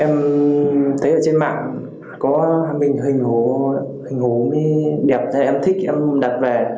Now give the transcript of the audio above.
mình hình hố hình hố mới đẹp em thích em đặt về